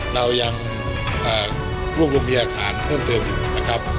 เรายังร่วงโรงเพลียขาลพกเติมอยู่นะครับ